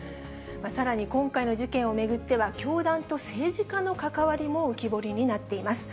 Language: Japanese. さらに今回の事件を巡っては、教団と政治家の関わりも浮き彫りになっています。